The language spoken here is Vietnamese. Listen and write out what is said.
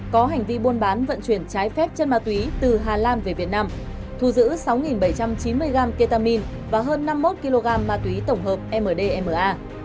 có hành vi buôn bán vận chuyển cháy phép chất ma túy từ hà lan về việt nam thu giữ sáu bảy trăm chín mươi g ketamin và hơn năm mươi một kg ma túy tổng hợp mdma